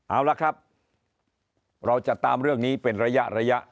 เอาละครับเราจะตามเรื่องนี้เป็นระยะ